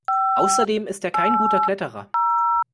Außerdem ist er kein guter Kletterer.